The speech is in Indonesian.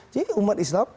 jadi umat islam